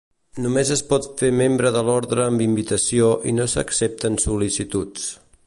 Només es pot fer membre de l'Ordre amb invitació i no s'accepten sol·licituds.